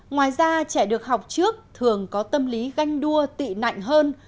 ngoài ra trẻ được học trước thường có tâm lý ganh đua tị nạnh hơn